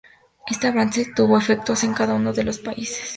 Este avance tuvo efectos en cada uno de los países.